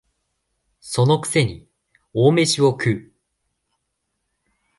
その癖に大飯を食う